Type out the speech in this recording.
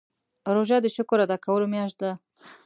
روژه د شکر ادا کولو میاشت ده.